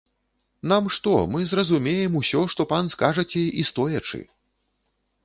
Нам што, мы зразумеем усё, што пан скажаце, і стоячы.